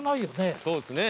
そうですね。